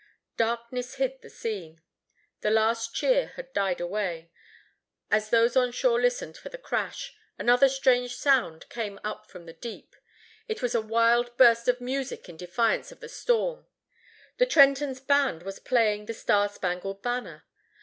Darkness hid the scene. The last cheer had died away. As those on shore listened for the crash, another strange sound came up from the deep. It was a wild burst of music in defiance of the storm. The Trenton's band was playing the "Star Spangled Banner."